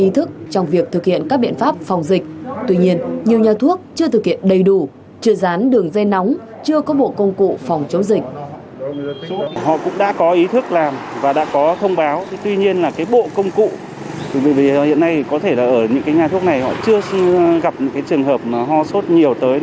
tuy nhiên là cái bộ công cụ bởi vì hiện nay có thể là ở những nhà thuốc này họ chưa gặp những trường hợp hò sốt nhiều tới